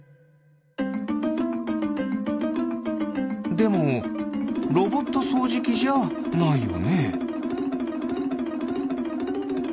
でもロボットそうじきじゃないよね。